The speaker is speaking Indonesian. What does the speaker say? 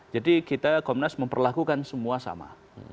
jadi kita komnas memperlakukan semua sama